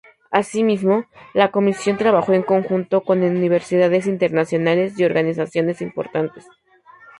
Asimismo, la comisión trabajó en conjunto con universidades internacionales y organizaciones importantes.